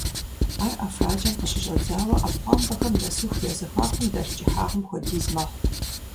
Ар ӀэфракӀэм къыщыщӀэдзауэ Ӏэпхъуамбэпэхэм нэсыху я зэхуакум дэлъ кӀыхьагъым хуэдиз мэхъу.